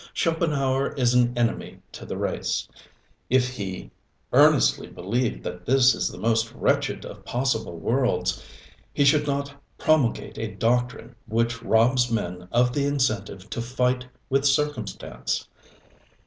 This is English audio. Schopenhauer is an enemy to the race. Even if he earnestly believed that this is the most wretched of possible worlds, he should not promulgate a doctrine which robs men of the incentive to fight with circumstance.